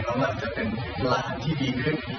แล้วมันจะเป็นรหัสที่ดีขึ้น